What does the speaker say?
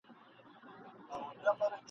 پر ما ګران نورمحمدلاهو ته!.